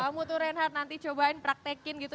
kalau kamu tuh reinhardt nanti cobain praktekin gitu